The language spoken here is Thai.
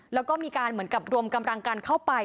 แล้วก็มีการเหมือนกับรวมกำลังกันเข้าไป